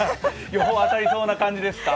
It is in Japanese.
予報当たりそうな感じですか？